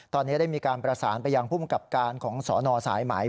ตอนนี้ได้มีการประสานไปยังภูมิกับการของสนสายไหม